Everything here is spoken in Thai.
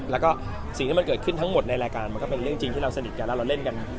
แล้วก็สิ่งที่มันเกิดขึ้นทั้งหมดในรายการมันก็เป็นเรื่องจริงที่เราสนิทกันแล้วเราเล่นกัน